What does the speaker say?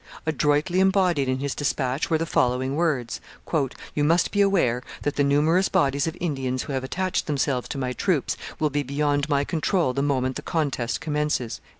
Adroitly embodied in his dispatch were the following words: 'You must be aware that the numerous bodies of Indians who have attached themselves to my troops will be beyond my control the moment the contest commences.'